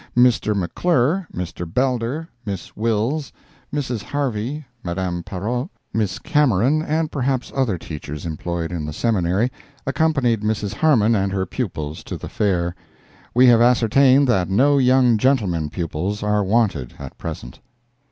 Mr. McClure, Mr. Beldler, Miss Wills, Mrs. Harvey, Madame Parot, Miss Cameron, and perhaps other Teachers employed in the Seminary, accompanied Mrs. Harmon and her pupils to the Fair. We have ascertained that no young gentlemen pupils are wanted at present.